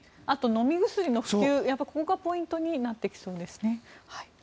あと、飲み薬の普及、ここがポイントになってきそうですね。